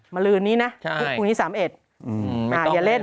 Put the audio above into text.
มาลื้อนี้นะคุณิสามเอ็ด